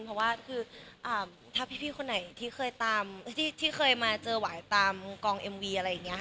เพราะว่าถ้าพี่คนไหนที่เคยมาเจอหวายตามกองเอ็มวีอะไรอย่างนี้